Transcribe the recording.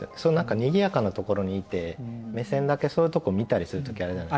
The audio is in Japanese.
にぎやかなところにいて目線だけそういうとこ見たりする時あるじゃないですか。